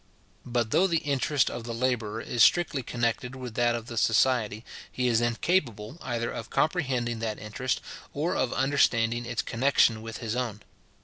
But though the interest of the labourer is strictly connected with that of the society, he is incapable either of comprehending that interest, or of understanding its connexion with his own.